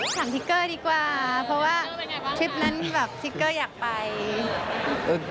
ทิกเกอร์ดีกว่าเพราะว่าทริปนั้นแบบทิกเกอร์อยากไป